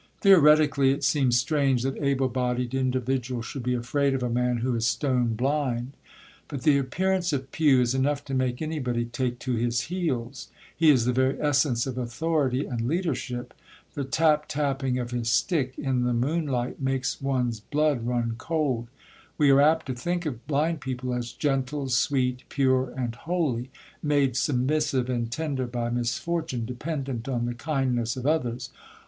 Theoretically, it seems strange that able bodied individuals should be afraid of a man who is stone blind. But the appearance of Pew is enough to make anybody take to his heels. He is the very essence of authority and leadership. The tap tapping of his stick in the moonlight makes one's blood run cold. We are apt to think of blind people as gentle, sweet, pure, and holy; made submissive and tender by misfortune, dependent on the kindness of others.